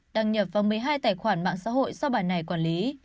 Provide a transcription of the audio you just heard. đăng nhập vào một mươi hai tài khoản mạng xã hội do bà này quản lý